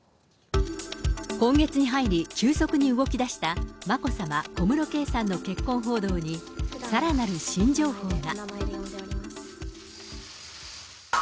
今月に入り、急速に動きだした眞子さま、小室圭さんの結婚報道に、さらなる新情報が。